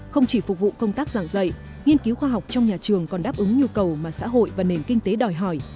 không chỉ phục vụ công tác giảng dạy nghiên cứu khoa học trong nhà trường còn đáp ứng nhu cầu mà xã hội và nền kinh tế đòi hỏi